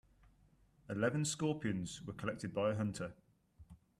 Eleven scorpions were collected by a hunter.